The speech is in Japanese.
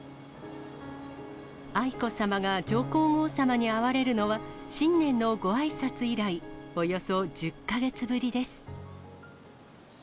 愛子さまが上皇后さまに会われるのは、新年のごあいさつ以来、およそ１０か月ぶりです。